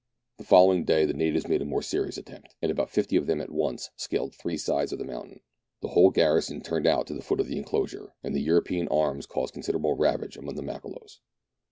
The following day the natives made a more serious attempt, and about fifty of them at once scaled three sides of the mountain. The whole garrison turned out to the foot of the enclosure, and the European arms caused considerable ravage among the Makololos.